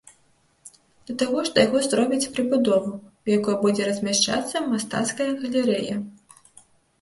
Да таго ж да яго зробяць прыбудову, у якой будзе размяшчацца мастацкая галерэя.